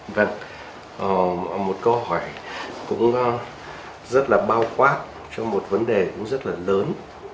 vâng một câu hỏi cũng rất là bao quát cho một vấn đề cũng rất là lớn